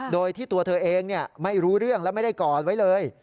โดยที่ตัวเธอเองไม่รู้เรื่องและไม่ได้กอดไว้เลย